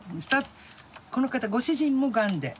この方ご主人もがんで。